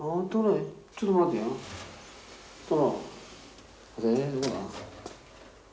ちょっと待てな。